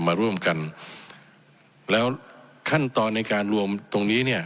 มาร่วมกันแล้วขั้นตอนในการรวมตรงนี้เนี่ย